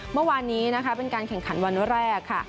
เมื่อวานนี้เป็นการแข่งขันวันแรก